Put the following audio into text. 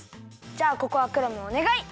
じゃあここはクラムおねがい。